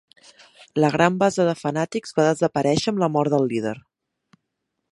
La gran base de fanàtics va desaparèixer amb la mort del líder.